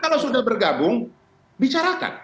kalau sudah bergabung bicarakan